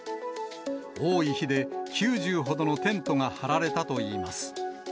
多い日で９０ほどのテントが張られたといいます。